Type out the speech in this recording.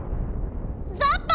ザッパ！